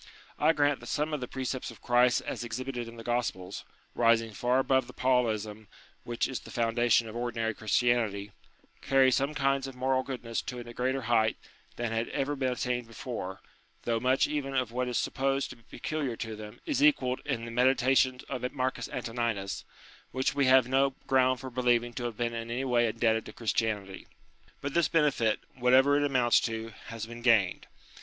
I grant that some of the precepts of Christ as exhibited in the Gospels rising far above the Paulism which is the foundation of ordinary Christianity carry some kinds of moral 98 UTILITY OF RELIGION goodness to a greater height than had ever been attained before, though much even of what is sup posed to be peculiar to them is equalled in the Medi tations of Marcus Antoninus, which we have no ground for believing to have been in any way indebted to Christianity. But this benefit, whatever it amounts to, has been gained.